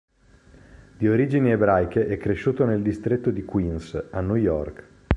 Di origini ebraiche, è cresciuto nel distretto di Queens, a New York.